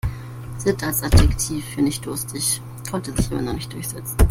Sitt als Adjektiv für nicht-durstig konnte sich noch immer nicht durchsetzen.